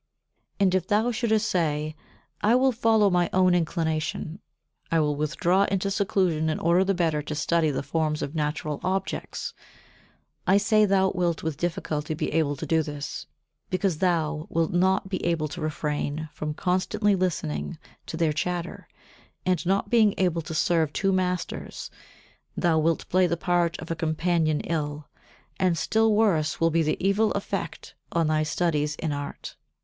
And if thou shouldst say: "I will follow my own inclination, I will withdraw into seclusion in order the better to study the forms of natural objects" I say thou wilt with difficulty be able to do this, because thou wilt not be able to refrain from constantly listening to their chatter; and, not being able to serve two masters, thou wilt play the part of a companion ill, and still worse will be the evil effect on thy studies in art.